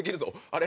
「あれ？